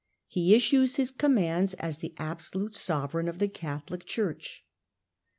He issues his commands a^ the absolute sovereign of the Catholic Church.